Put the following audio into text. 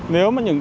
nếu mà những